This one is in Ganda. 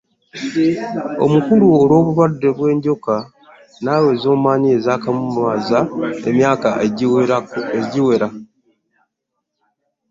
Omukulu olw'obulwadde bw'enjoka naawe z'omanyi ezaakamumaza emyaka egiwera.